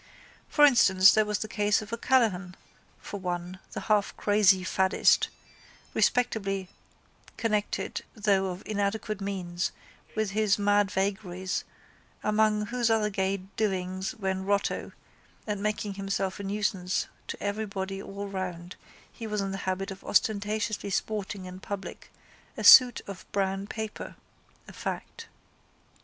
For instance there was the case of O'Callaghan, for one, the halfcrazy faddist, respectably connected though of inadequate means, with his mad vagaries among whose other gay doings when rotto and making himself a nuisance to everybody all round he was in the habit of ostentatiously sporting in public a suit of brown paper (a fact).